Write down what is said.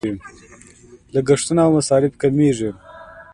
لګښتونه او مصارف کمیږي.